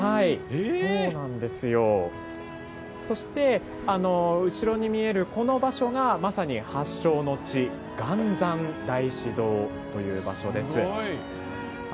そして、後ろに見えるこの場所がまさに発祥の地元三大師堂という場所です。